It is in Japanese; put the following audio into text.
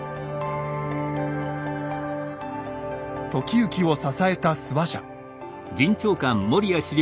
時行を支えた諏訪社。